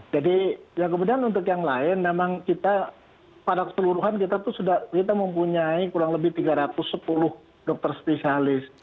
jadi yang kemudian untuk yang lain memang kita pada keseluruhan kita mempunyai kurang lebih tiga ratus sepuluh dokter spesialis